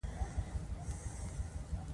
د قانون د تطبیق له لارې دا دود له منځه وړل کيږي.